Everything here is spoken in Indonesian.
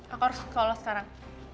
aku harus sekolah sekarang